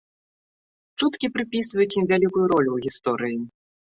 Чуткі прыпісваюць ім вялікую ролю ў гісторыі.